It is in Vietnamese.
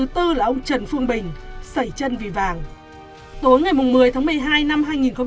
tối ngày một mươi tháng một mươi hai năm hai nghìn một mươi sáu